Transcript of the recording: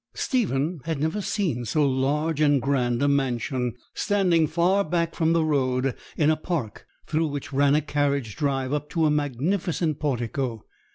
Stephen had never seen so large and grand a mansion, standing far back from the road, in a park, through which ran a carriage drive up to a magnificent portico.